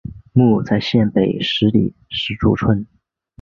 墓在县北十里石柱村。